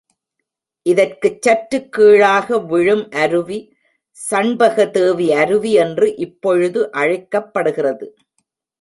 இதற்குச் சற்றுக் கீழாக விழும் அருவி சண்பகதேவி அருவி என்று இப்பொழுது அழைக்கப்படுகிறது.